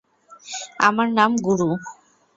আমার নাম গুরু।